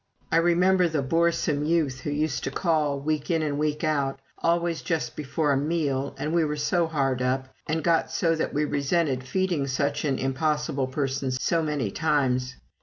I remember the boresome youth who used to call, week in week out, always just before a meal, and we were so hard up, and got so that we resented feeding such an impossible person so many times.